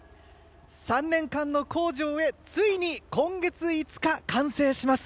３年間の工事を終えついに今月５日、完成します。